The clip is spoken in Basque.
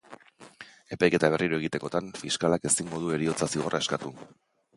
Epaiketa berriro egitekotan, fiskalak ezingo du heriotza-zigorra eskatu.